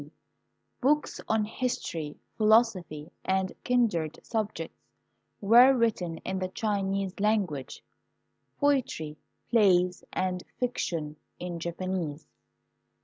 d. Books on history, philosophy, and kindred subjects were written in the Chinese language; poetry, plays, and fiction in Japanese.